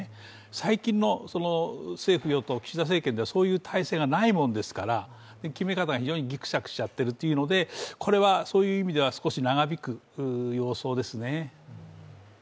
最近の政府・与党、岸田政権ではそういう体制がないものですから決め方が非常にぎくしゃくしちゃってるというので、これは・ただいまじいじ野球しよ！